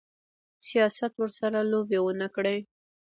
سیاست ورسره لوبې ونه کړي.